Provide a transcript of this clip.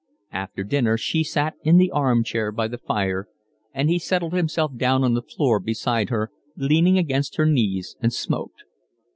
After dinner she sat in the arm chair by the fire, and he settled himself down on the floor beside her, leaning against her knees, and smoked.